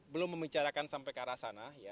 belum membicarakan sampai ke arah sana